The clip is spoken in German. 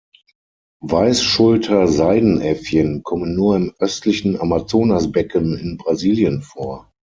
Weißschulter-Seidenäffchen kommen nur im östlichen Amazonasbecken in Brasilien vor.